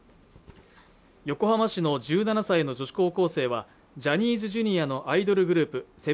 横浜市の１７歳の女子高校生はジャニーズＪｒ．のアイドルグループ７